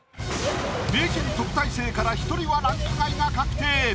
名人・特待生から１人はランク外が確定。